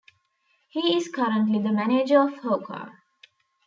He is currently the manager of Haukar.